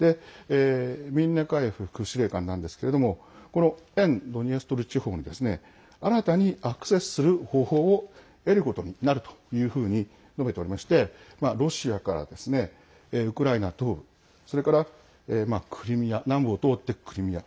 ミンネカエフ副司令官なんですがこの沿ドニエストル地方に新たにアクセスする方法を得ることになるというふうに述べておりましてロシアから、ウクライナ東部それから、南部を通ってクリミア。